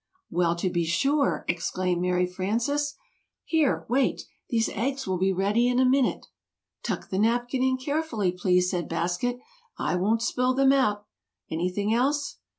"Well, to be sure!" exclaimed Mary Frances. "Here, wait these eggs will be ready in a minute!" "Tuck the napkin in carefully, please," said Basket. "I won't spill them out. Anything else?"